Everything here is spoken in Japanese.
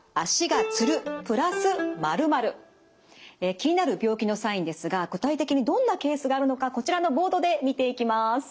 気になる病気のサインですが具体的にどんなケースがあるのかこちらのボードで見ていきます。